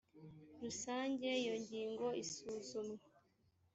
rusange iyo ngingo isuzumwa